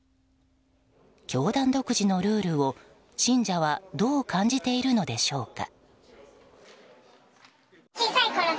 教団独自のルールを、信者はどう感じているのでしょうか。